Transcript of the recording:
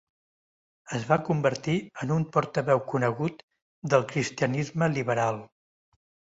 Es va convertir en un portaveu conegut del cristianisme liberal.